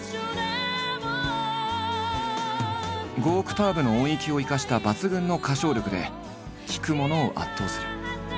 ５オクターブの音域を生かした抜群の歌唱力で聴く者を圧倒する。